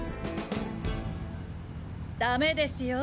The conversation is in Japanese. ダメですよ